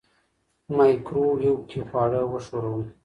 مایکروویو کې خواړه وښوروئ.